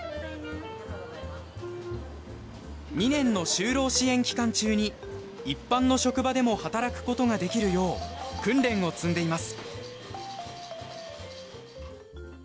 ２年の就労支援期間中に一般の職場でも働く事ができるよう訓練を積んでいます。